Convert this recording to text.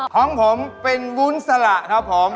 ของผมเป็นวุ้นสละครับผม